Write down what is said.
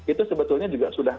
itu sebetulnya juga sudah